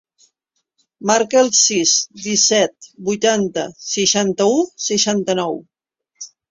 Marca el sis, disset, vuitanta, seixanta-u, seixanta-nou.